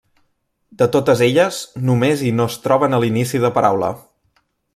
De totes elles, només i no es troben a l'inici de paraula.